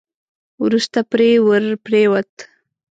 وروسته پرې ور پرېووت.